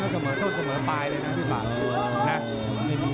เสมอต้นเสมอไปเลยนะพี่ผ่า